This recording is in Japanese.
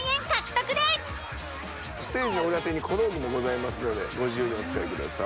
ステージの裏手に小道具もございますのでご自由にお使いください。